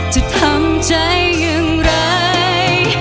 จะทำใจอย่างไร